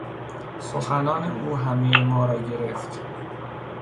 سخنان او همهی ما را گرفت.